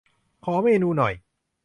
ขอเมนูหน่อย